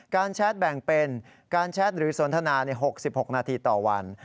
แชทแบ่งเป็นการแชทหรือสนทนา๖๖นาทีต่อวัน